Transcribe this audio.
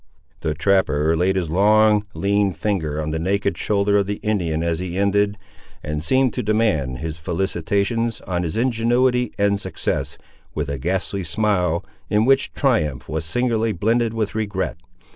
The trapper laid his long lean finger on the naked shoulder of the Indian as he ended, and seemed to demand his felicitations on his ingenuity and success, with a ghastly smile, in which triumph was singularly blended with regret.